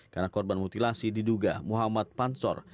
karena korban mutilasi diduga muhammad pansor